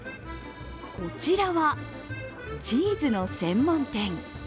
こちらは、チーズの専門店。